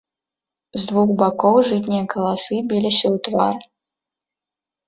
З двух бакоў жытнія каласы біліся ў твар.